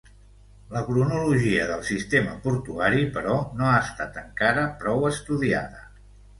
La cronologia del sistema portuari, però, no ha estat encara prou estudiada.